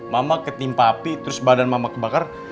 mama ketimpa api terus badan mama kebakar